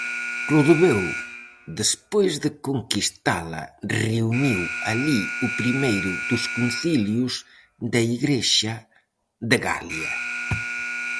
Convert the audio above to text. Clodoveo, despois de conquistala, reuniu alí o primeiro dos concilios da Igrexa de Galia.